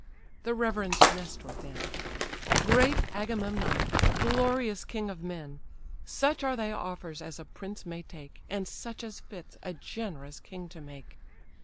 The reverend Nestor then: "Great Agamemnon! glorious king of men! Such are thy offers as a prince may take, And such as fits a generous king to make.